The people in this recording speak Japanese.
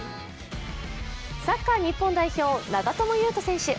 サッカー日本代表・長友佑都選手。